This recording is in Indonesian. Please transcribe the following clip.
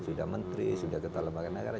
sudah menteri sudah ketua lembaga negara